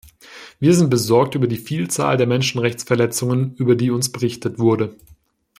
Wir sind besorgt über die Vielzahl der Menschenrechtsverletzungen, über die uns berichtet wurde.